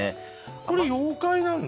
これ妖怪なんだ？